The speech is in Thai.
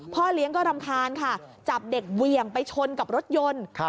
พ่อเลี้ยงก็รำคาญค่ะจับเด็กเหวี่ยงไปชนกับรถยนต์